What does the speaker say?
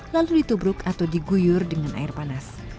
lalu ditubruk atau diguyur dengan air panas